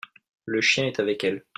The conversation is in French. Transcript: Le chien est avec elles.